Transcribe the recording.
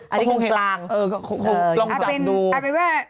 อันนี้คงกลางเออคงลองจับดูอาจเป็นว่า